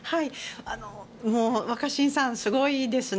若新さんすごいですね。